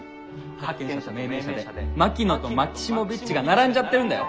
発見者命名者で「マキノ」と「マキシモヴィッチ」が並んじゃってるんだよ！